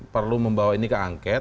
perlu membawa ini ke angket